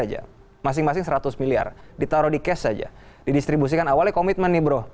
aja masing masing seratus miliar ditaruh di cash saja didistribusikan awalnya komitmen nih bro